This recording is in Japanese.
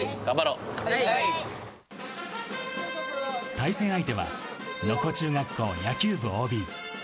対戦相手は、能古中学校野球部ＯＢ。